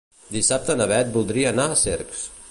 Dissabte na Beth voldria anar a Cercs.